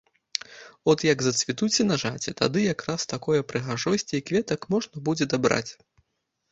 От як зацвітуць сенажаці, тады якраз такое прыгажосці і кветак можна будзе дабраць.